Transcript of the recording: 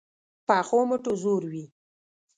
پخو مټو زور وي